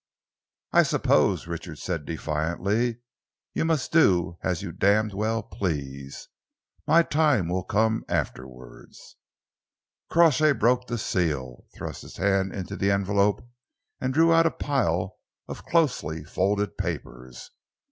"I suppose," Richard said defiantly, "you must do as you d d well please. My time will come afterwards." Crawshay broke the seal, thrust his hand into the envelope and drew out a pile of closely folded papers.